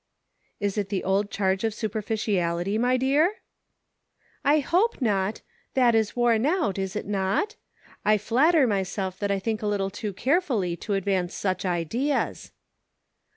" Is it the old charge of superficiality, my dear i* "" I hope not ; that is worn out, is it not .'' I flat ter myself that I think a little too carefully to advance such ideas."